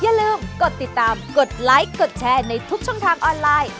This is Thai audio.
อย่าลืมกดติดตามกดไลค์กดแชร์ในทุกช่องทางออนไลน์